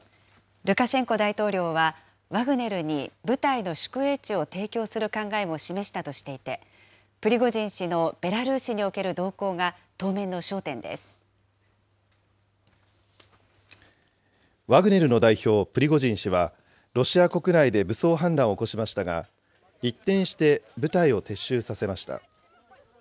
ルカシェンコ大統領は、ワグネルに部隊の宿営地を提供する考えも示したとしていて、プリゴジン氏のベラルーシにおける動向が、ワグネルの代表、プリゴジン氏は、ロシア国内で武装反乱を起こしましたが、一転して部隊を撤収させました。